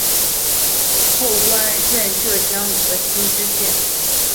后官任浙江德清知县。